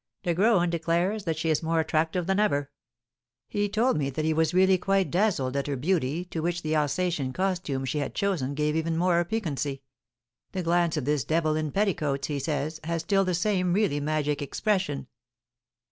"De Graün declares that she is more attractive than ever; he told me that he was really quite dazzled at her beauty, to which the Alsatian costume she had chosen gave even more piquancy. The glance of this devil in petticoats, he says, has still the same really magic expression."